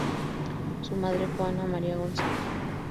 Su madre fue Ana María González.